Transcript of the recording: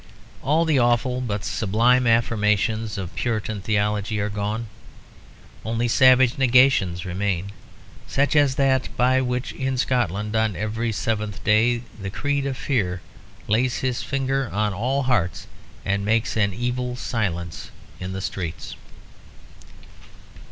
All the awful but sublime affirmations of Puritan theology are gone. Only savage negations remain; such as that by which in Scotland on every seventh day the creed of fear lays his finger on all hearts and makes an evil silence in the streets.